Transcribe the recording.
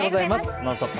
「ノンストップ！」